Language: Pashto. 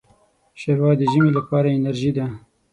ښوروا د ژمي لپاره انرجۍ ده.